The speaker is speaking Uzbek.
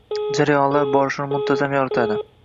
Jarayonlar borishini muntazam yoritadi